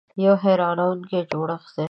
یو حیرانونکی جوړښت دی .